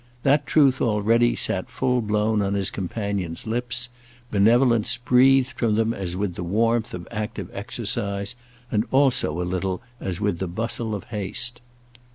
That truth already sat full blown on his companion's lips; benevolence breathed from them as with the warmth of active exercise, and also a little as with the bustle of haste.